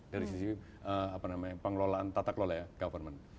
dari sisi apa namanya pengelolaan tata kelola ya government